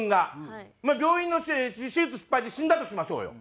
病院の手術失敗で死んだとしましょうよ。